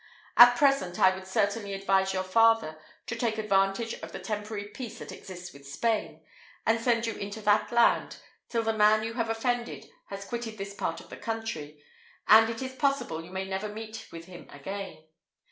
At present, I would certainly advise your father to take advantage of the temporary peace that exists with Spain, and send you into that land, till the man you have offended has quitted this part of the country, and it is possible you may never meet with him again.